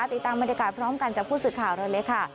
ติดตามบรรยากาศพร้อมกันจากผู้สื่อข่าวเราเลยค่ะ